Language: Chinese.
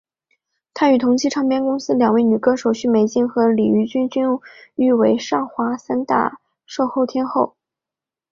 也与同期唱片公司两位女歌手许美静和李翊君誉为上华三大销售天后。